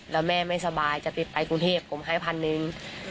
แล้วแม่ไม่สบายจะติดไปกรุงเทพผมให้พันหนึ่ง